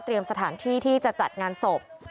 สถานที่ที่จะจัดงานศพ